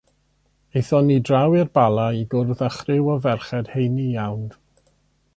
Aethon ni draw i'r Bala i gwrdd â chriw o ferched heini iawn.